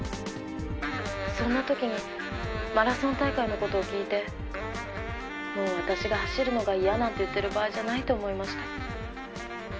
「そんな時にマラソン大会の事を聞いてもう私が走るのが嫌なんて言ってる場合じゃないと思いました」